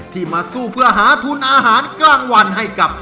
มาสู้เพื่อหาทุนอาหารกลางวันให้กับ